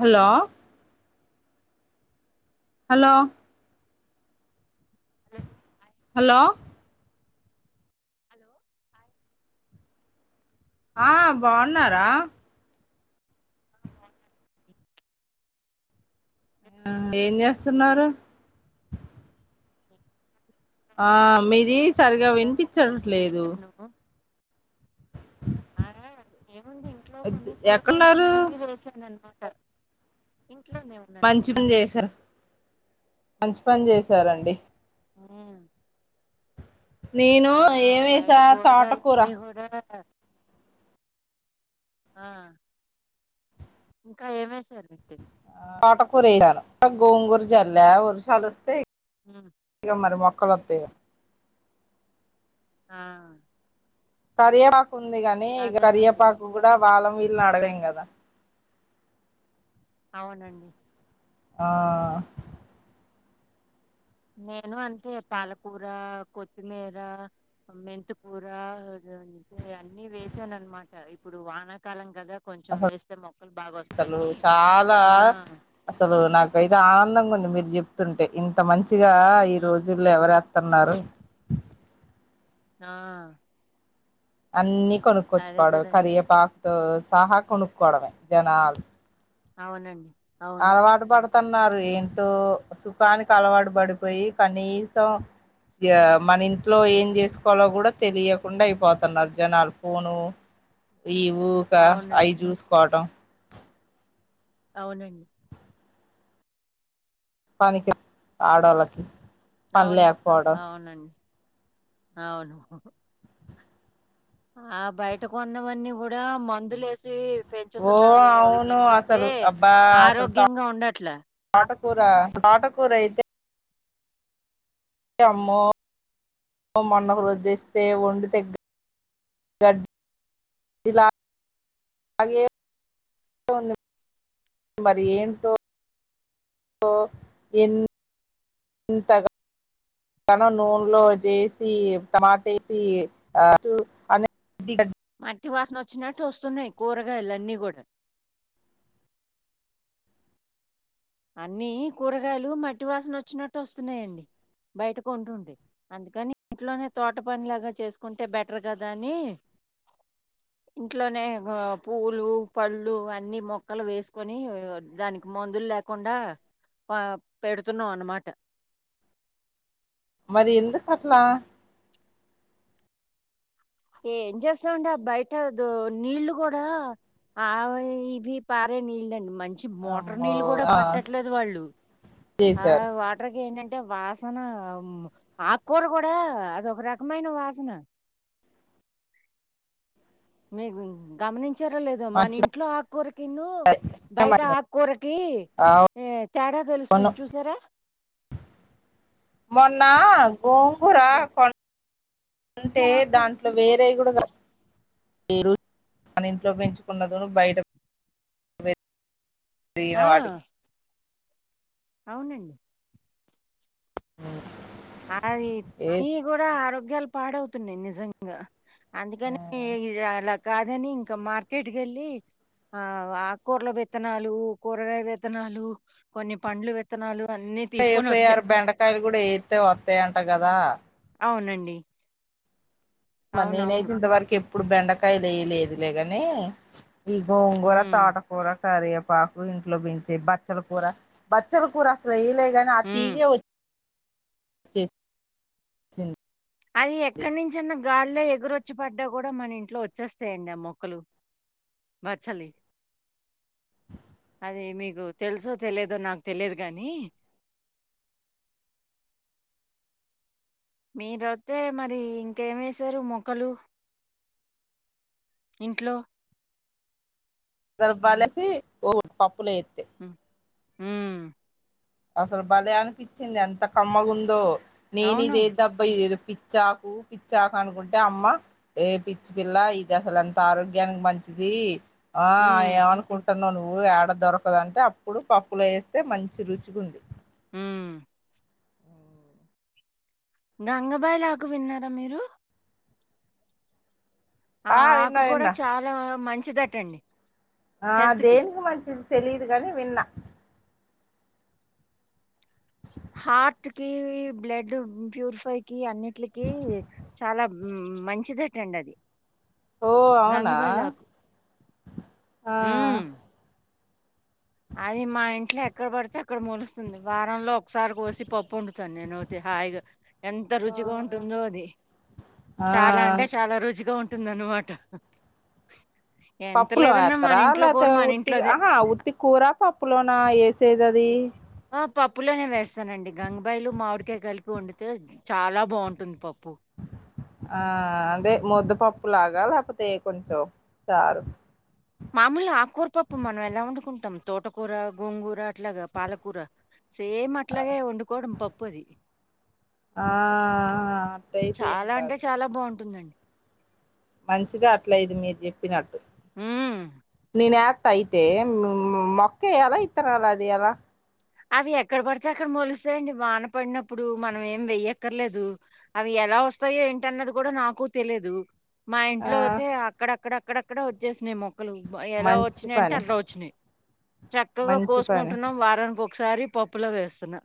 Hello. Hello. అదే. Hello. Hello. ఆహ్ hello బాగున్నారా. ఆ బాగున్నానండి ఇలా ఏం చేస్తున్నారు నేను ఆ ఇంట్లో మీది కొన్ని సరిగా కూరగాయ మొక్కలు అవి వినిపించట్లేదు వేసాను ఆ ఏముంది ఇంట్లో కొన్ని కూరగాయల ఎక్కడున్నారు ముక్కల అవి వేసింది అన్నమాట అ మంచి పని చేసారు మంచి పని చేసారండి ఉ నేను ఆ బయట ఏమేసా తోటకూర కూరగాయలన్నీ కూడా ఆ ఇంకా ఏమేం సర్ది తోటకుర ఏసాను గోంగూర జల్లా వర్షాలు వస్తే ఉమ్, తీర మరి మొక్కా లోత్తాయిగ ఆ కరియేపాకు ఉంది గాని అదేనండి కరియేపాకు కూడా బలం అడగలేం గద అవునండి ఆ నేను అంతే పాలకూర కొత్తిమీర మెంతికూర అందుకే అన్ని వేసాను అనమాట ఇప్పుడు వానాకాలం కదా కొంచెం వేస్తే మొక్కలు బాగ అసలు వస్తాయని చాలా ఆ అసలు నాక అయితే ఆనందంగా ఉంది మీరు జెప్ తుంటే ఇంత మంచిగా ఈ హ్మ్. రోజుల్లో ఎవరు వత్తున్నారు ఆ అన్ని అదే కొనుక్కోచ్చుకోడు కదండీ! కరియేపాకుతో సహా కొనుక్కోడమే జనాల్ అవునండి అవును. అలవాటు పడు న్నారు ఏంటో సుఖానికి అలవాటు పడిపోయి కనీసం మన ఇంట్లో ఏం చేసుకోవాలో కూడా తెలియకుండా అయిపోతున్నారు జనాలు ఫోను ఈ ఊకా అవునండి. అయి చూసుకోవటం అవునండి పనికి ఆడోళ్ళకి పని అవును లేకపోవడం అవునన్ అవును ఆ బయటకొన్నవన్నీ కూడా మందులేస్తే ఓ పెంచుతున్నారు అవి అవును తింటుంటే అసలు అబ్బా ఆరోగ్యంగా ఉండట్లా కూర తోట కూర అయితే అమ్మో మొన్న ద్దిస్తే వండి తగ్గ గ ఇల ఇలాగే మరి ఏంటో స ఇన్ ఇంతగా నం నూనెలో జేసి టమాట వేసి ఆ అ దిగడ్ అట్టి వాసన వచ్చినట్టు వస్తున్నాయి కూరగాయలు అన్నీ కూడా అన్ని కూరగాయలు మట్టి వాసన వచ్చినట్టు వస్తున్నాయండి బయటకు కొంటుండే అందుకని ఇంట్లోనే తోట పనిలాగా చేసుకుంటే బెటర్ కదా అని ఇంట్లోనే బ పూలు పళ్ళు అన్నిీ మొక్కలు వేసుకొని దానికి మందులు లేక కుండా పెడుతున్నాం అన్నమాట మరి ఎందుకు అట్లా ఏ ఏం చేస్తామండి ఆ బయట నీళ్లు కూడా ఆవ్ ఇవి పారే నీళ్ళండి మంచి [unintelligible] మోటార్ అమ్మో నీళ్ళ కూడా ఆ పట్టట్లేదు వాళ్ళు ఆ చేశారు వాటర్ కి ఏంటంటే అంటే వాసన ఉమ్ ఆకూర గుడా అది ఒక రకమైన వాసన మీకు గమని చేరలేదు మన మంచి ఇంట్లో ఆకురకిన్ను పనే బయట మంచి పనే ఆకురకి మొన్న మొన్నా గోంగుర కొ అంటే దాంట్లో వేరేగుడుగా ఏరు మ ఇంట్లో పెంచుకున్నందు బయట సిన ఆ వాటికి అవునండి అది ఏ నీ గుడా ఆరోగ్యాలు పాడవుతున్నాయి నిజంగా అందుకని [unintelligible] అలా కాదని ఇంకా మార్కెట్కి వెళ్ళి ఆవు ఆకూరల విత్తనాలు కూరగాయ విత్తనాలు కొన్ని పండ్లు విత్తనాలు అన్నీ తీసుకొని పోయ వచ్చా ఆారు బెండకాయలు కూడా ఏత్తే వత్తాయంట గదా అవునండి మరి అవునవును నేనైతే ఇంతవరకు ఎప్పుడు బెండకాయలు్య లేదు లే గాని ఈ గోంగూర ఉమ్, తోటకర ారు పాకు ఇంట్లో పెంచిే బచ్చల కూర బచ్చల కూర అసలు ఎయలే కాని ఆ ఉమ్. తీిగే వచ్చింది అది ఎక్కడి నుంచిన్న [unintelligible] ఎగురొచ్చి పడ్డా కూడా మన ఇంట్లో వచ్చేస్తాయండి ఆ మొక్కలు బచ్ చాలీ. [inaudible] ఎ మీకు తెలుసో తెలియదో నాకు తెలియదు గానీ. మీరు వస్తే మరి ఇంకే మేసారు మొక్కలు. ఇంట్లో. రబాలసి ఓ పప్పులో ఎత్తే. హ్మ్. హ్మ్. అసలు భలే అనిపించింది ఎంత కమ్మగా ఉందో నేను అవును. ఇదేది అబ్బా ఏదో. పిచ్చాకు పిచ్చాకు అనుకుంటే అమ్మ ఏ పిచ్చి పిల్ల ఇది అసలు ఎంత ఆరోగ్యానికి మంచి. ఇది. ఆ హ్మ్. ఏమనుకుంటున్నావు నువ్వు ఏడ దొరకదంటే అప్పుడు పప్పులో వేస్తే మంచి రుచి. గుంది. హ్మ్. గంగబాయిలు ఆకు విన్నారా మీరు. ఆ ఆకు విన్నా కూడా విన్నా చాలా మంచిదట్టండి. ఆ దేనికి మంచిది తెలిదు గని విన్నా. హార్ట్ కి బ్లడ్ ప్యూరిఫై కి అన్నిటికి చాలా. ఉమ్ మంచిదట్ట అండి అది. ఓ అవునా గంగబాయిలు ఆకు ఆ హ్మ్. అది మా ఇంట్లో ఎక్కడ పడితే అక్కడ మొలుస్తుంది వారంలో. ఒకసారి కోసి పప్పు వండుతాను నేనోతి హాయిగా ఎంత రుచిగా ఉంటుందో అది ఆ చాలా అంటే చాలా రుచిగా ఉంటుంది అన్నమాట పప్పులో ఎత్ర లేతే మన ఉత్తి ఇంట్లోదే. ఆహా ఉత్తి కూర పప్పులోనా ఎసేదది ఆ పప్పులోనే వేస్తానండి గంగబాయిలు మామిడికాయ కలిపి వండితే చాలా బాగుంటుంది పప్పు ఆ. ఆ అదే ముద్దపప్పు లాగా లేకపోతే కొంచం చారు మామూలుగ ఆకూర పప్పు మనం ఎలా వండుకుంటాం తోటకూర గోంగూర అట్లాగా పాలకూర సేమ్ అట్లాగే వండుకోవడం పప్పు అది ఆ అట్లయితే ఏం చాలా అంటే కాదు చాలా బాగుంటుందండి మంచిదే అట్లైది మీరు చెప్పినట్టు హ్మ్ నేనే ఎత్త అయితే మొ మొక్కయ్యాల ఇత్తనాల అది ఎయలా అవి ఎక్కడ పడితే అక్కడ మొలుస్తాయిడి వాన పడినప్పుడు మనం ఏం వేయ్యక్కర్ లేదు అవి ఎలా వస్తాయో ఏంటన్నది కూడా నాకు తెలిదు మా ఆ ఇంట్లో అయితే అక్కడ అక్కడ అక్కడ అక్కడ వచ్చేసినేమో మొక్కలు ఎలా మంచి వచ్చినాయి అంటే పని అట్లా వచ్చినాయి చక్కగా మంచి పని కోసుకుంటున్నాం వారానికొ కసారి పప్పులో వేస్తున్నా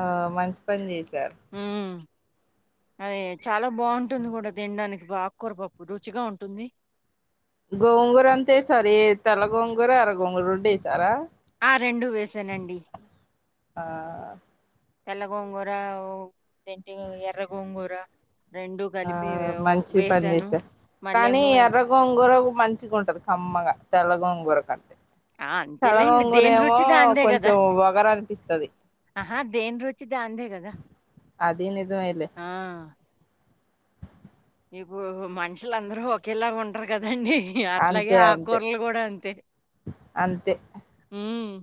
ఆ మంచి పని చేసారు అదే చాలా బాగుంటుంది కూడా తినడానికి ఆకూరపప్పు రుచిగా ఉంటుంది. గోంగూర అంతా వేసారు తెల్ల గోంగూర ఎర్ర గోంగూర రొండేసారా ఆ రెండు వేసానండి ఆ తెల్ల గోంగూర జంటి ఎర్ర గోంగూర ఆ కలిపి వే- ఓ మంచి పని వేశాను. చేసా కానీ మళ్ళేమో ఎర్రగోంగోర మంచిగుంటాది కమ్మగా తెల్లగొంగూర కంటే ఆ! తెల్ల అంతేలేండి. గోంగూర దేని ఏమో రుచి కొంచం వగరు అనిపిస్తాది ఆహా దేన్ రుచి దనీదే కదా. అది నిజమే లే ఇప్పుడు మనుషులు అందరూ ఒకేలాగా ఉండరు కదాండి అట్లాగే అంతే అంతే ఆకూరలు కూడా అంతే అంతే ఉమ్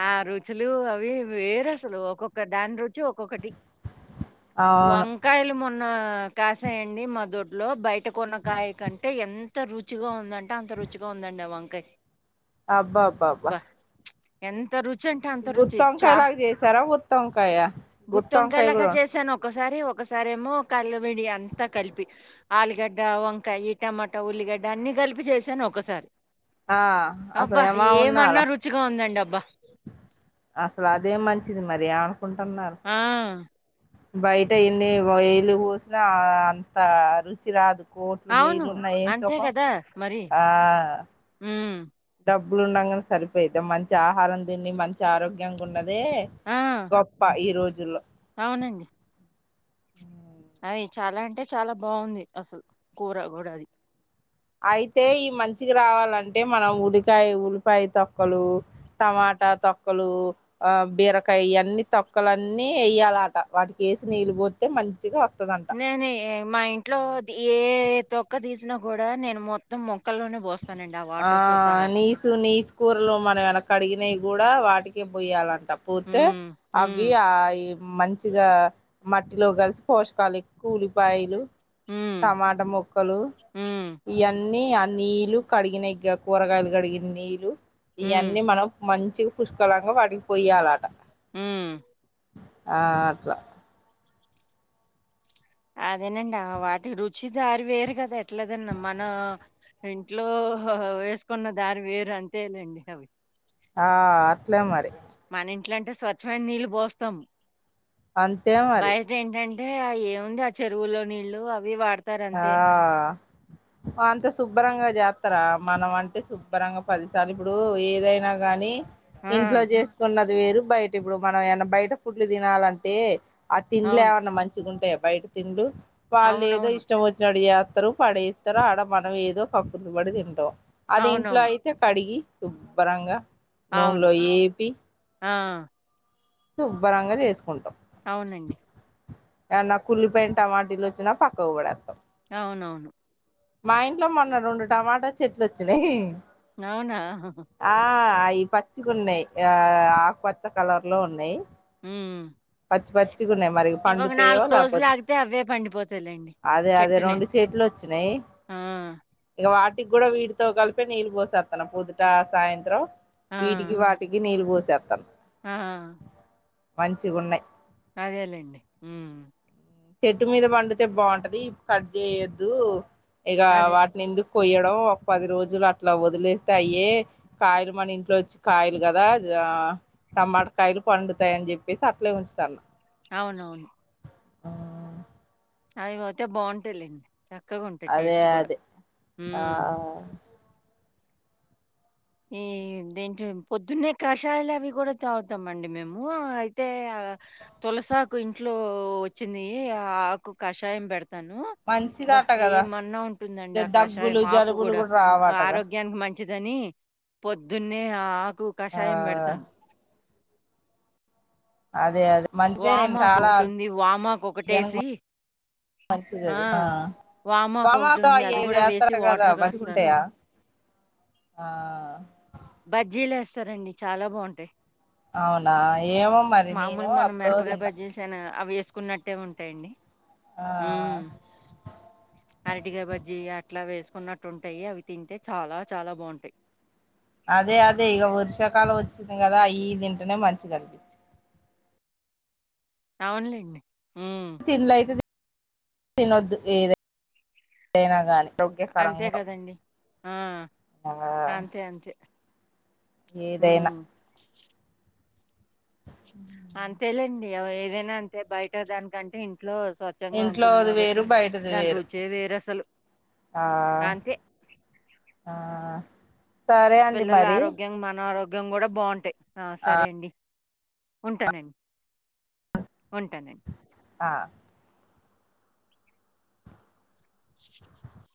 ఆ రుచులు అవి వేరసలు ఒక్కొక్క దాని రు ఒక్కొక్కటి అవును వంకాయలు మొ న్న కాసాయండి మా దొడ్లో బయట కొన్నకాయ కంటే ఎంత రుచిగా ఉందంటే అంత రుచిగా ఉందండి అ వంకయ్ అబ్బా బ్బా బ్బా అంత రుచి అంటే అంత రుచి చా లాగా చేసారా గుత్తొంకాయ గుత్తొంకాయ గుత్తివంకాయలక్క కూడా చేశాను ఒక ఒకసారి ఒకసారి ఏమో కల్లపిడి అంతా కలిపి ఆలుగడ్డ వంకాయి టమాటా ఉల్లిగ డ్డ అన్ని కలిపి చేశాను ఒకసారి ఆ అసలు అబ్బా ఏమా ఉండాల ఏమన్నా రుచిగా ఉందండి అ అసలు అదే మంచిది మరియా ఆ బయట ఎన్ని వేయిలు పోసినా అంత రుచి రాదు కోట్లు అవును వేయిలున్నా ఎం అంతే సుఖం కదా మరి ఆ ఉమ్, డబ్బులు ఉండంగాని సరిపోయిద్ద మంచి ఆహారం తిండి మంచి ఆరోగ్యంగా ఉండ అదే ఆ గొప్ప ఈ రోజుల్లో అవునండి ఉ అది చాలా అంటే చాలా బాగుంది అసలు కూర కూడా అది అయితే ఈ మంచికి రావాలంటే మనం ఉల్లికాయ ఉల్లిపాయ తొక్కలు టమ తొక్కలు ఆ బీరకాయ ఇయన్ని తొక్కలన్నీ వేయాల ఆట వాటికేసి నీళ్ళు పోతే మంచిగా వస్తుందంట నేను మా ఇంట్లో ఏ తొక్క తీసినా కూడా నేను మొత్తం మొ ఆ నీసు నీసు కూరలు మనం వెనకి అడిగినవి కూడా వాటికే పోయ్యాలంట పొత్తే ఉమ్, అవి ఉమ్, ఆ మంచిగా మట్టిలో కలిసి పోషకాలు ఎక్కు ఉల్లిపాయలు ఉమ్, టమాట మొక్కలు ఉమ్, ఇయన్నీ అన్ని నీల్లు కడిగిన కూరగాయలు కడిగిన నీళ్లు ఉమ్, ఇయన్నీ మనం మంచి పుష్కలంగా వాడిగిపోయ్యాల ఆట ఉమ్ ఆ అట్ల అదేనండి వాటి రుచి దారి వేరు కదా ఎట్లదన్న మన ఇంట్లో వేసుకున్న దారి వేరు అంతేలేండి అవి ఆ అట్లే మరి మన ఇంట్లో అంటే స్వచ్ఛమైన నీళ్ళు పోస్తాం అంతే మరి అంటే ఆ ఏముంది ఆ చెరువులో నీల్లు అవి వాడు ఆ అంత శుభ్రంగా జాత స్తరా మనం అంటే శుభ్రంగా పదిసార్లు ఇప్పుడు ఏదైనా కానీ ఆ! ఇంట్లో చేసుకున్నది వేరు బయట ఇప్పుడు మనం ఏమన్నా బయట పుడ్లు తినాలంటే ఆ తిండ్లు అవును. ఏమన్నా మంచిగ ఉంటాయా బయట తిండ్లు వాళ్ళు ఏదో అవునవును. ఇష్ నడి చేస్తారు పడేస్తారు ఆడ మనం ఏదో కక్కుర్తి పడి తింటాం అది ఇంట్లో అవునవును. అయితే కడిగి శుభ్రంగా అవును. నూనెలో ఏపి ఆ శుభ్రంగా చేసుకుంటాం అవునండి ఏన్న కుళ్లిపోయిన టమాటిలు వచ్చినా పక్కగు పడేస్తాం అవునవును మా ఇంట్లో మొన్న రెండు టమాటా చెట్లు వచ్చినాయి అవునా ఈ పచ్చిగ ఉన్నాయి ఆ ఆకుపచ్చ కలర్లో ఉన్నాయి హ్మ్. పచ్చి పచ్చిగున్నాయి మరి ఇంకొక పండుతయో లేకపోతే రోజులాగితే అవే పండిపోతాయిలెండి. అదే అదే చెట్టునే. రెండు చేట్లు వచ్చినాయి ఆ ఇగా వా వాటికి కూడ వీటితో కలిపే నీళ్ళు పోసేస్తను పొద్దుటా సాయంత్రం ఆ! వీటికి వాటికి నీళ్ళు పోస ఆ మంచిగున్నయ్ అదేలేండి మ్ చేట్టు మీద పండితే బాగుంటది కట్ చేయొద్దు ఇగా అదే. వాటిని ఎందు కొయ్యడం ఒక పది రోజులు అట్లా వదిలేస్తే అయ్యే కాయలు మన ఇంట్లో వచ్చి కాయలు కదా గా టమాటకాయలు పండుతాయని చెప్పేసి అట్లే ఉంచుతాన్న అవునవును ఉ అవి పోతే బాగుంటది లేండి అదే అదే ఆ హ్మ్. ఈ దేట్ పొద్దున్నే కషాయాలు అవి కూడ తాగుతామండి మేము అయితే తులసాకు ఇంట్లో వచ్చింది ఆ ఆకు కషాయం పెడ్ తను బ్బా మంచిదట కదా ఏమన్నా ఉంటుందండి ఆకషాయం దగ్గులు ఆకు జలుబులు కూడ కూడా రావటగా ఆరోగ్యానికి మం మంచిదని పొద్దున్నే ఆ ఆకు ఆ కషాయం పెడతాను అదే అదే మంచిదే లెండి చాల వామాకొకటుంది. వామాకొకటేసి మంచిదది ఆ వామాకు వామాకొకటుంది. అది గూడా వేసి యాత్సరంట కదా వాటర్ గాస్తాను. మంచిగుంటాయా ఆ బజ్జీలు ఎస్తారండి చాలా బాగుంటాయ్ అవునా ఏమో మరి మామూల్ నేను మన అప్పుడో మిరపగాయ తిన్నా బజ్జి ఎసానుగా అవి వేస్ కున్నట్టే ఉంటాయండి ఆ మ్ అరటిగాయ బజ్జీ ఇంట్లా వేసుకున్నట్టుంటాయి అవి తింటే చాలా చాలా బాగుంటాయ్ అదే అదే ఇగా వర్షాకాలం వచ్చింది కదా అ ఈ తింటనే మంచి గనిపిచ్చి అవునులేండి మ్ తిండ్లు అయితే తినొద్దు ఏదె దైనా గానీ అంతే ఆరోగ్యకరంగా కదండీ. ఆ! ఆ ఏదైనా ఉమ్ అంతేలేండి ఏదైనా అంతే బయట దానికంటే ఇ ఇంట్లో స్వచ్ఛంగా ఉంటుంది ఇంట్లోది వేరు కాబట్టి బయటది దాని వేరు రుచే వేరసలు ఆ అంతే. ఆ సరే అండి పిల్లల మరి ఆరోగ్యం మన ఆరోగ్యం గూడ బాగుంటాయి ఆ సరే అండి ఉంటానండి ఉంటాన ఆ అ [inaudible]